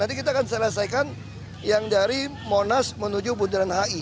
nanti kita akan selesaikan yang dari monas menuju bundaran hi